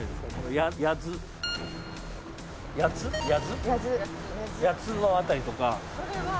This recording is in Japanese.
谷津の辺りとか。